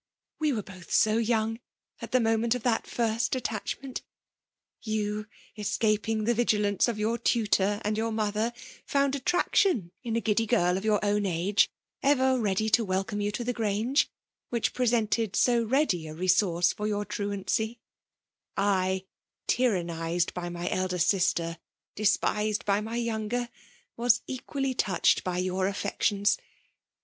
« We were both so young, at the moment of that first attachment : you, escaping the vigi lance of your tutor and your mother, found attraction in a giddy girl of your own age, ever xeady to welcome you to the Grange, winch presented so ready a resource for your truancy ; I« — tyrannized by my elder sister, despised by my younger, — ^was equally touched by yoinr •affections.